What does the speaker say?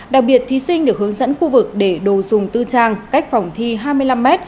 đặc biệt thí sinh được hướng dẫn khu vực để đồ dùng tư trang cách phòng thi hai mươi năm m